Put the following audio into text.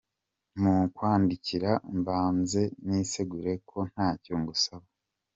Mu kukwandikira mbanze nisegure ko ntacyo ngusaba.